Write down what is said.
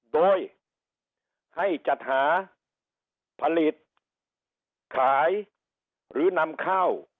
โดยให้จัดหาผลิตขายหรือนำข้าว